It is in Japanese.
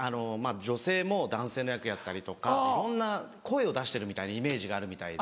女性も男性の役やったりとかいろんな声を出してるみたいなイメージがあるみたいで。